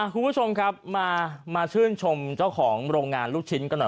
คุณผู้ชมครับมาชื่นชมเจ้าของโรงงานลูกชิ้นกันหน่อย